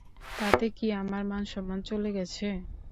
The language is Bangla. তাতে কি আমার মানসম্মান চলে গেছে?